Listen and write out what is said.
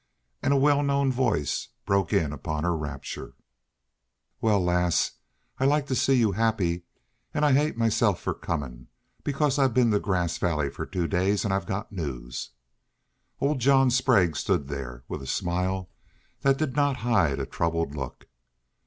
And a well known voice broke in upon her rapture. "Wal, lass, I like to see you happy an' I hate myself fer comin'. Because I've been to Grass Valley fer two days an' I've got news." Old John Sprague stood there, with a smile that did not hide a troubled look.